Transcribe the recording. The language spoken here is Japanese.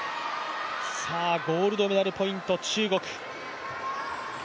ゴールドメダルポイント中国。